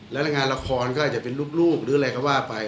และงานละครก็อาจจะเป็นรูปหรืออะไรก็ว่าไป